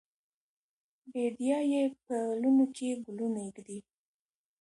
بیدیا یې پلونو کې ګلونه ایږدي